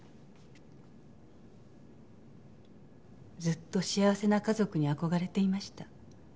ずっと幸せな家族に憧れていました。